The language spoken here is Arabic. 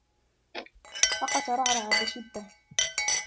لقد ترعرع بشدة.